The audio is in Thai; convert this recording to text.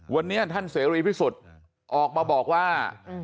วันนี้ท่านเสรีพิสุทธิ์ออกมาบอกว่า